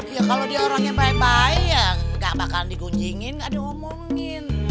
ya kalau dia orang yang bayang bayang gak bakalan digunjingin gak diomongin